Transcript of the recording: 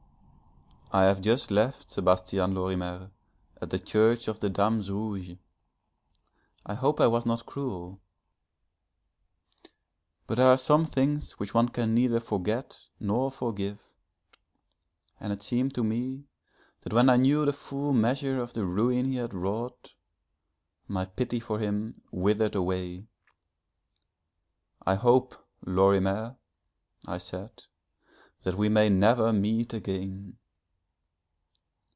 _ I have just left Sebastian Lorimer at the Church of the Dames Rouges. I hope I was not cruel, but there are some things which one can neither forget nor forgive, and it seemed to me that when I knew the full measure of the ruin he had wrought, my pity for him withered away. 'I hope, Lorimer,' I said, 'that we may never meet again.'